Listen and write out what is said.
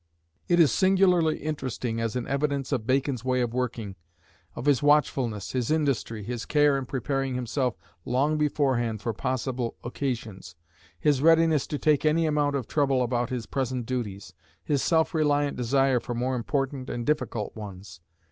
It is singularly interesting as an evidence of Bacon's way of working, of his watchfulness, his industry, his care in preparing himself long beforehand for possible occasions, his readiness to take any amount of trouble about his present duties, his self reliant desire for more important and difficult ones.